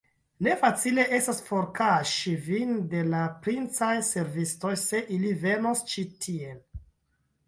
Ne facile estas forkaŝi vin de la princaj servistoj, se ili venos ĉi tien!